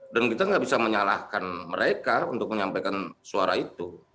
dan kita nggak bisa menyalahkan mereka untuk menyampaikan suara itu